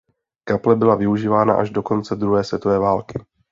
Kaple byla využívána až do konce druhé světové války.